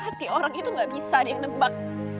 gampang banget gak bisa dia nembak